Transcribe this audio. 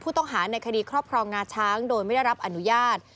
ในคดีครอบครองงาช้างโดยไม่ได้รับอนุญาต